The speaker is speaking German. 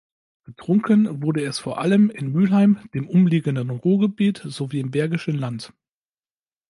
Getrunken wurde es vor allem in Mülheim, dem umliegenden Ruhrgebiet sowie im Bergischen Land.